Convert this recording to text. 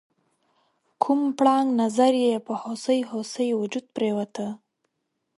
کوم پړانګ نظر یې په هوسۍ هوسۍ وجود پریوته؟